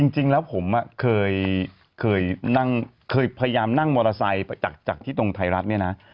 จริงแล้วผมเคยพยายามนั่งมอเตอร์ไซค์จากที่ตรงไทยรัฐเนี่ยนะ